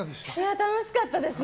楽しかったですね。